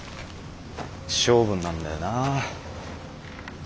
性分なんだよな。